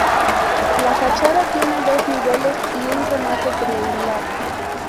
La fachada tiene dos niveles y un remate triangular.